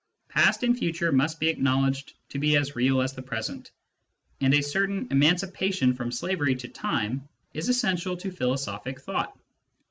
Past and future must be acknowledged to be as real as the present, and a certain emancipation from slavery to time is essential to philosophic thought.